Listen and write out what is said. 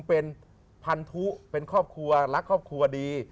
เป็นฆัพพลังธุเป็นรักครอบครัวดี